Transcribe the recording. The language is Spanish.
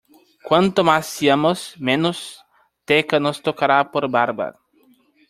Cuanto más seamos, menos teca nos tocará por barba.